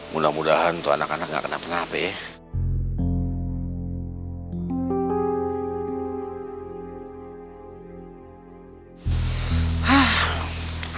mudah mudahan tuh anak anak gak kena penapis